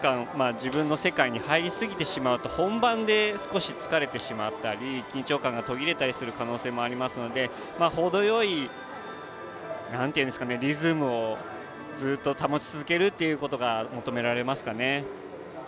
自分の世界に入りすぎてしまうと本番で、少し疲れてしまったり緊張感が途切れたりする可能性もありますので程よいリズムをずっと保ち続けることが求められますね。